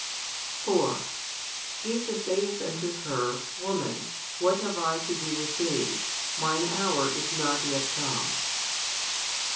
4 Jesus saith unto her Woman, what have I to do with thee? Mine hour is not yet come.